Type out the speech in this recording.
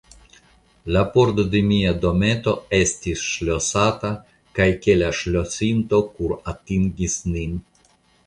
La pordo de mia dometo estis ŝlosata kaj ke la ŝlosinto kuratingis nin.